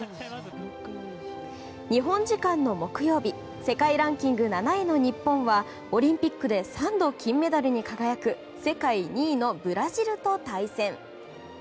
日本時間の木曜日世界ランキング７位の日本はオリンピックで３度金メダルに輝く世界２位のブラジルと対戦。